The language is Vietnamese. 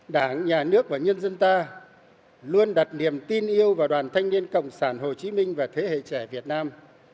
đảng nhà nước và nhân dân ta luôn đặt niềm tin yêu vào đoàn thanh niên cộng sản hồ chí minh và thế hệ trẻ việt nam